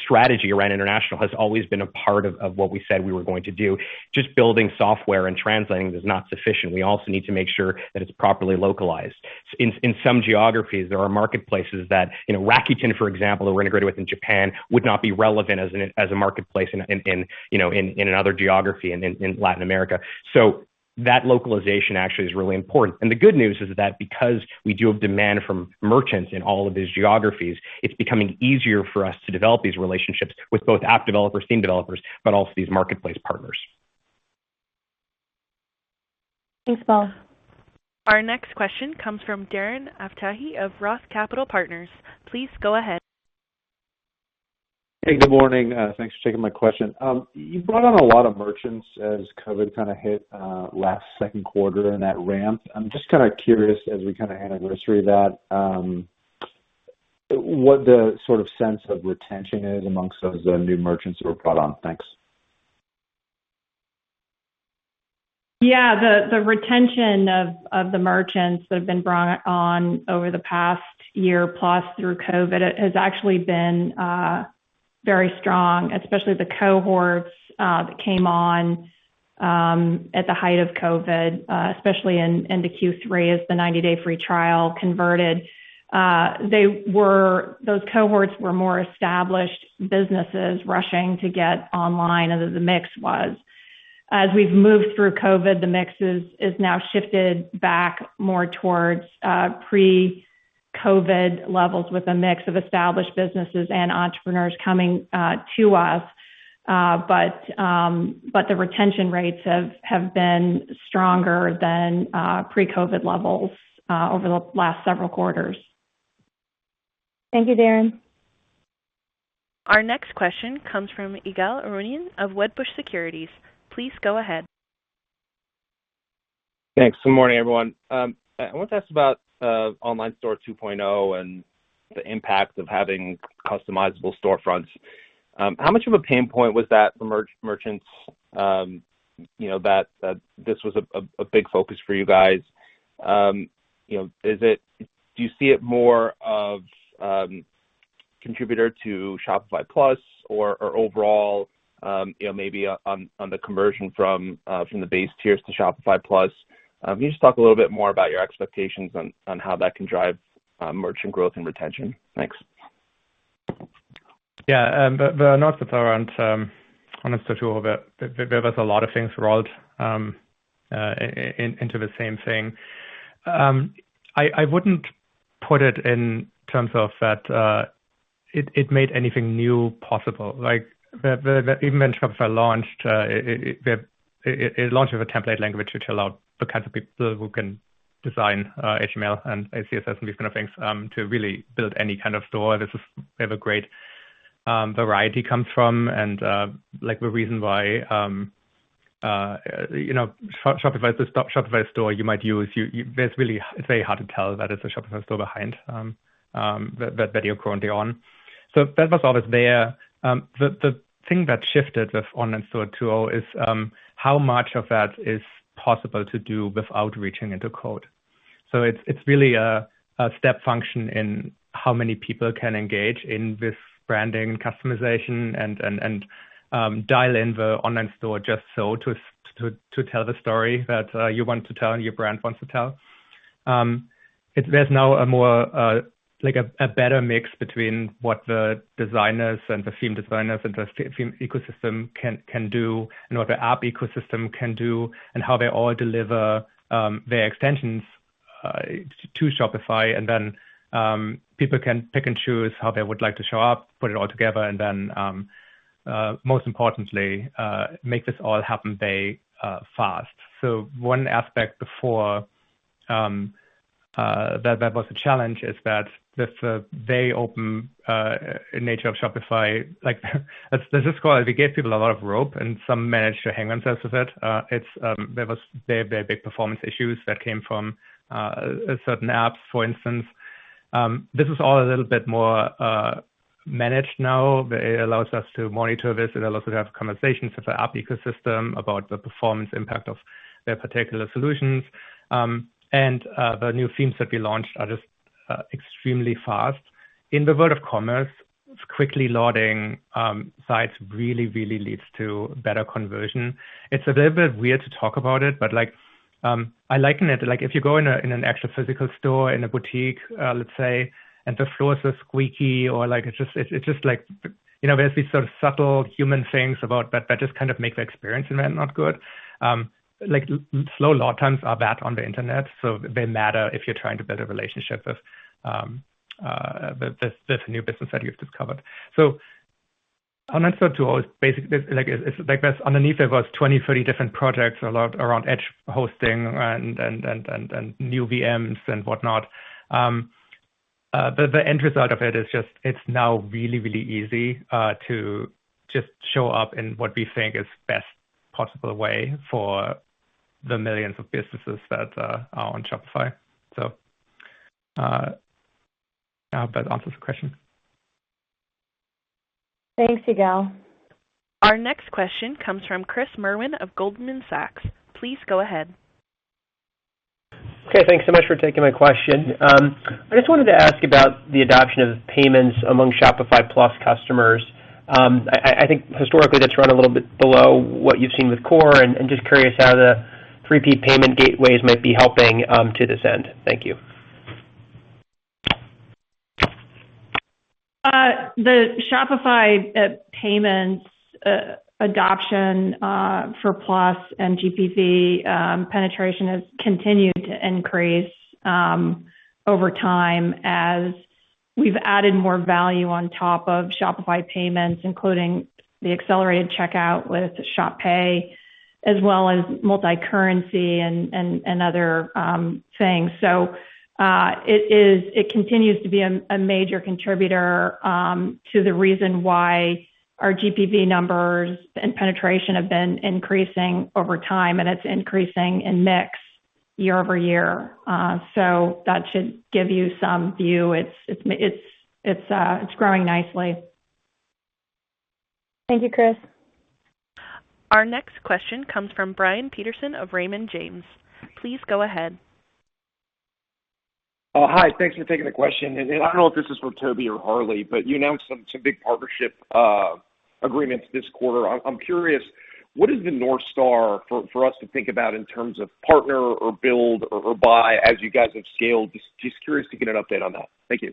strategy around international has always been a part of what we said we were going to do. Just building software and translating is not sufficient. We also need to make sure that it's properly localized. In some geographies, there are marketplaces that, Rakuten, for example, that we're integrated with in Japan, would not be relevant as a marketplace in another geography, in Latin America. That localization actually is really important. The good news is that because we do have demand from merchants in all of these geographies, it's becoming easier for us to develop these relationships with both app developers, theme developers, but also these marketplace partners. Thanks, Paul. Our next question comes from Darren Aftahi of ROTH Capital Partners. Please go ahead. Hey, good morning. Thanks for taking my question. You brought on a lot of merchants as COVID kind of hit last Q2 in that ramp. I'm just kind of curious, as we kind of anniversary that, what the sort of sense of retention is amongst those new merchants that were brought on. Thanks. Yeah. The retention of the merchants that have been brought on over the past year plus through COVID has actually been very strong, especially the cohorts that came on at the height of COVID, especially into Q3, as the 90-day free trial converted. Those cohorts were more established businesses rushing to get online than the mix was. As we've moved through COVID, the mix is now shifted back more towards pre-COVID levels with a mix of established businesses and entrepreneurs coming to us. The retention rates have been stronger than pre-COVID levels over the last several quarters. Thank you, Darren. Our next question comes from Ygal Arounian of Wedbush Securities. Please go ahead. Thanks. Good morning, everyone. I want to ask about Online Store 2.0 and the impact of having customizable storefronts. How much of a pain point was that for merchants that this was a big focus for you guys? Do you see it more of contributor to Shopify Plus or overall, maybe on the conversion from the base tiers to Shopify Plus? Can you just talk a little bit more about your expectations on how that can drive merchant growth and retention? Thanks. The notes that are on Unite, there was a lot of things rolled into the same thing. I wouldn't put it in terms of that it made anything new possible. Like, even when Shopify launched, it launched with a template language, which allowed the kinds of people who can design HTML and CSS and these kind of things, to really build any kind of store. This is where the great variety comes from, and the reason why Shopify is a Shopify store you might use. It's very hard to tell that it's a Shopify store behind that you're currently on. That was always there. The thing that shifted with Online Store 2.0 is how much of that is possible to do without reaching into code. It's really a step function in how many people can engage in this branding and customization and dial in the online store just so to tell the story that you want to tell and your brand wants to tell. There's now a better mix between what the designers and the theme designers and the theme ecosystem can do and what the app ecosystem can do and how they all deliver their extensions to Shopify, and then people can pick and choose how they would like to show up, put it all together, and then, most importantly, make this all happen very fast. One aspect before that was a challenge is that this very open nature of Shopify, let's just call it, we gave people a lot of rope and some managed to hang themselves with it. There was very big performance issues that came from certain apps, for instance. This is all a little bit more managed now. It allows us to monitor this. It allows us to have conversations with the app ecosystem about the performance impact of their particular solutions. The new themes that we launched are just extremely fast. In the world of commerce, quickly loading sites really leads to better conversion. It's a little bit weird to talk about it, but I liken it to if you go in an actual physical store, in a boutique, let's say, and the floors are squeaky or there's these sort of subtle human things about that that just kind of make the experience in there not good. Slow load times are bad on the internet, so they matter if you're trying to build a relationship with this new business that you've discovered. Our next step tool is basically, underneath it was 20, 30 different projects around edge hosting and new VMs and whatnot. The end result of it is just, it's now really, really easy to just show up in what we think is best possible way for the millions of businesses that are on Shopify. I hope that answers the question. Thanks, Ygal. Our next question comes from Chris Merwin of Goldman Sachs. Please go ahead. Okay. Thanks so much for taking my question. I just wanted to ask about the adoption of payments among Shopify Plus customers. I think historically that's run a little bit below what you've seen with Core, just curious how the third-party payment gateways might be helping to this end. Thank you. The Shopify Payments adoption for Plus and GPV penetration has continued to increase over time as we've added more value on top of Shopify Payments, including the accelerated checkout with Shop Pay as well as multi-currency and other things. It continues to be a major contributor to the reason why our GPV numbers and penetration have been increasing over time, and it's increasing in mix year-over-year. That should give you some view. It's growing nicely. Thank you, Chris. Our next question comes from Brian Peterson of Raymond James. Please go ahead. Hi. Thanks for taking the question. I don't know if this is for Tobi or Harley, but you announced some big partnership agreements this quarter. I'm curious, what is the North Star for us to think about in terms of partner or build or buy as you guys have scaled? Just curious to get an update on that. Thank you.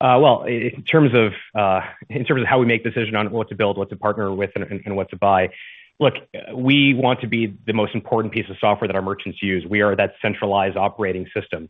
Well, in terms of how we make decisions on what to build, what to partner with, and what to buy. Look, we want to be the most important piece of software that our merchants use. We are that centralized operating system.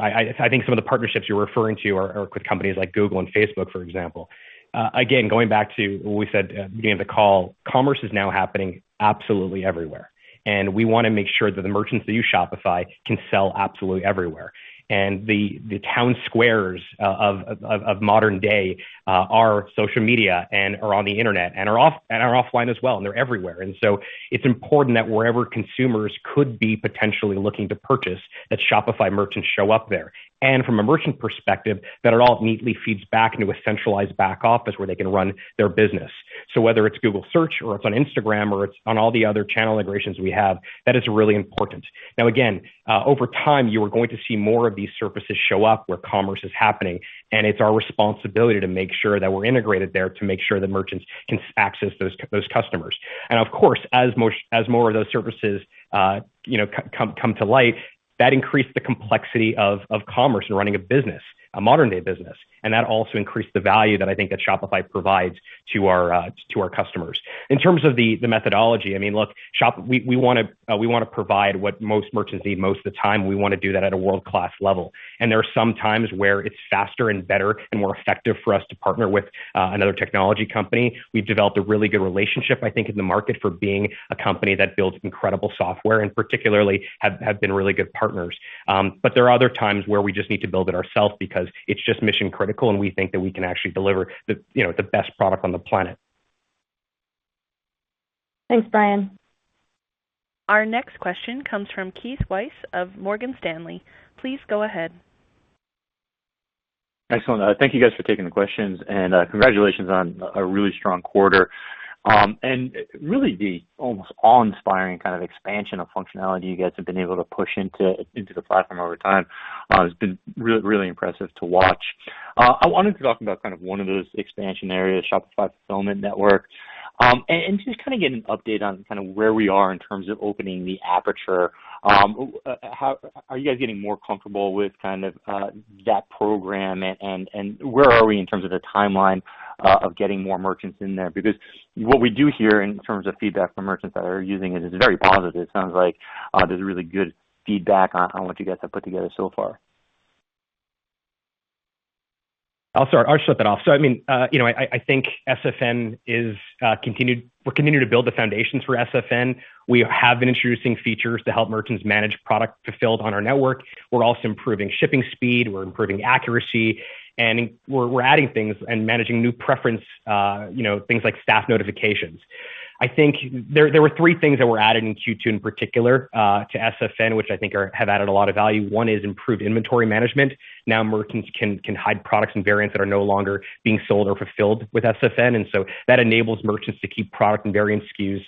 I think some of the partnerships you're referring to are with companies like Google and Facebook, for example. Going back to what we said at the beginning of the call, commerce is now happening absolutely everywhere, and we want to make sure that the merchants that use Shopify can sell absolutely everywhere. The town squares of modern day are social media and are on the internet and are offline as well, and they're everywhere. It's important that wherever consumers could be potentially looking to purchase, that Shopify merchants show up there. From a merchant perspective, that it all neatly feeds back into a centralized back office where they can run their business. Whether it's Google Search or it's on Instagram or it's on all the other channel integrations we have, that is really important. Again, over time, you are going to see more of these surfaces show up where commerce is happening, and it's our responsibility to make sure that we're integrated there to make sure that merchants can access those customers. Of course, as more of those services come to light, that increase the complexity of commerce and running a business, a modern day business. That also increase the value that I think that Shopify provides to our customers. In terms of the methodology, look, we want to provide what most merchants need most of the time. We want to do that at a world-class level. There are some times where it's faster and better and more effective for us to partner with another technology company. We've developed a really good relationship, I think, in the market for being a company that builds incredible software, and particularly have been really good partners. There are other times where we just need to build it ourselves because it's just mission critical, and we think that we can actually deliver the best product on the planet. Thanks, Brian. Our next question comes from Keith Weiss of Morgan Stanley. Please go ahead. Excellent. Thank you guys for taking the questions. Congratulations on a really strong quarter. Really the almost awe-inspiring kind of expansion of functionality you guys have been able to push into the platform over time has been really impressive to watch. I wanted to talk about one of those expansion areas, Shopify Fulfillment Network. Just kind of get an update on kind of where we are in terms of opening the aperture. Are you guys getting more comfortable with kind of that program and where are we in terms of the timeline of getting more merchants in there? What we do hear in terms of feedback from merchants that are using it is very positive. It sounds like there's really good feedback on what you guys have put together so far. I'll start that off. I think SFN is, we're continuing to build the foundations for SFN. We have been introducing features to help merchants manage product fulfilled on our network. We're also improving shipping speed. We're improving accuracy, and we're adding things and managing new preference, things like staff notifications. I think there were three things that were added in Q2 in particular to SFN, which I think have added a lot of value. One is improved inventory management. Now merchants can hide products and variants that are no longer being sold or fulfilled with SFN, and so that enables merchants to keep product and variant SKUs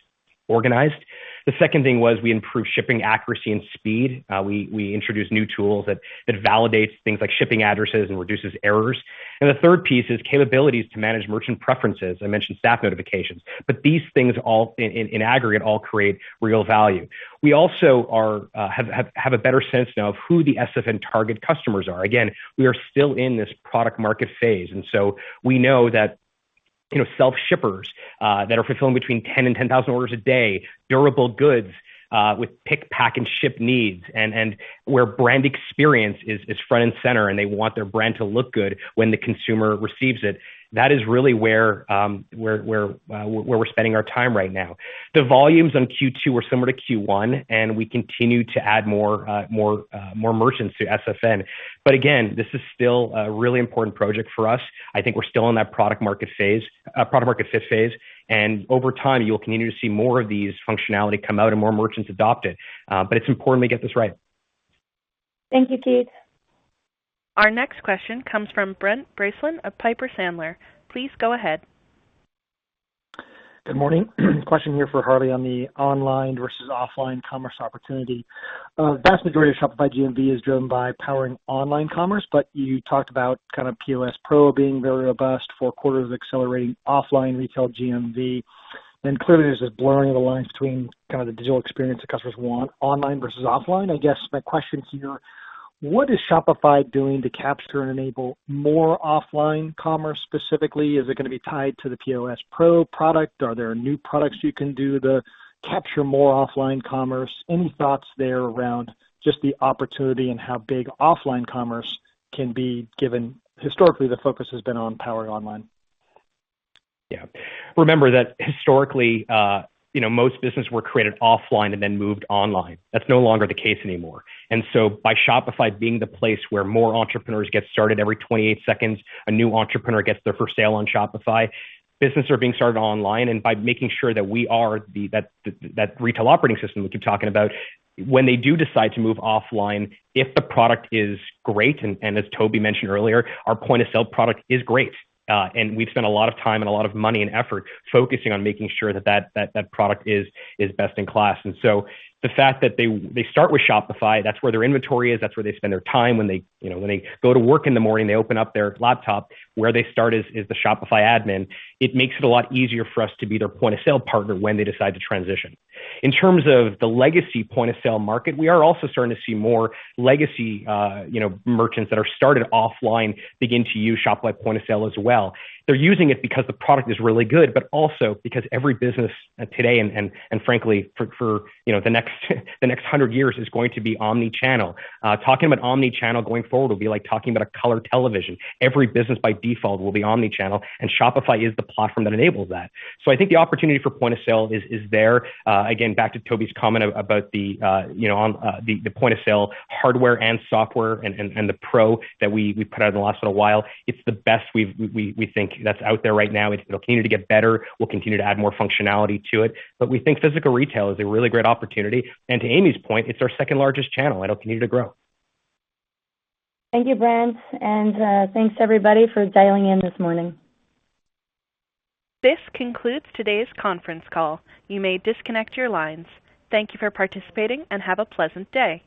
organized. The second thing was we improved shipping accuracy and speed. We introduced new tools that validates things like shipping addresses and reduces errors. The third piece is capabilities to manage merchant preferences. I mentioned staff notifications. These things in aggregate all create real value. We also have a better sense now of who the SFN target customers are. We are still in this product market phase. We know that self-shippers that are fulfilling between 10 and 10,000 orders a day, durable goods with pick, pack, and ship needs, and where brand experience is front and center, and they want their brand to look good when the consumer receives it, that is really where we're spending our time right now. The volumes on Q2 were similar to Q1. We continue to add more merchants to SFN. Again, this is still a really important project for us. I think we're still in that product market fit phase. Over time, you'll continue to see more of these functionality come out and more merchants adopt it. It's important we get this right. Thank you, Tobi. Our next question comes from Brent Bracelin of Piper Sandler. Please go ahead. Good morning. Question here for Harley on the online versus offline commerce opportunity. A vast majority of Shopify GMV is driven by powering online commerce, but you talked about POS Pro being very robust, four quarters of accelerating offline retail GMV. Clearly there's this blurring of the lines between the digital experience that customers want online versus offline. My question here, what is Shopify doing to capture and enable more offline commerce specifically? Is it going to be tied to the POS Pro product? Are there new products you can do to capture more offline commerce? Any thoughts there around just the opportunity and how big offline commerce can be given historically, the focus has been on powering online. Yeah. Remember that historically, most businesses were created offline and then moved online. That's no longer the case anymore. By Shopify being the place where more entrepreneurs get started every 28 seconds, a new entrepreneur gets their first sale on Shopify, businesses are being started online, and by making sure that we are that retail operating system, which you're talking about, when they do decide to move offline, if the product is great, and as Tobi mentioned earlier, our point-of-sale product is great. We've spent a lot of time and a lot of money and effort focusing on making sure that product is best in class. The fact that they start with Shopify, that's where their inventory is, that's where they spend their time. When they go to work in the morning, they open up their laptop, where they start is the Shopify admin. It makes it a lot easier for us to be their point-of-sale partner when they decide to transition. In terms of the legacy point-of-sale market, we are also starting to see more legacy merchants that are started offline begin to use Shopify point of sale as well. They're using it because the product is really good, also because every business today and frankly, for the next 100 years, is going to be omnichannel. Talking about omnichannel going forward will be like talking about a color television. Every business by default will be omnichannel, Shopify is the platform that enables that. I think the opportunity for point of sale is there. Again, back to Tobi's comment about the point-of-sale hardware and software and the Pro that we put out in the last little while, it's the best we think that's out there right now. It'll continue to get better. We'll continue to add more functionality to it. We think physical retail is a really great opportunity. To Amy's point, it's our second-largest channel. It'll continue to grow. Thank you, Brent. Thanks everybody for dialing in this morning. This concludes today's conference call. You may disconnect your lines. Thank you for participating, and have a pleasant day.